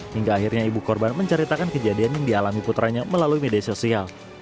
hingga akhirnya ibu korban menceritakan kejadian yang dialami putranya melalui media sosial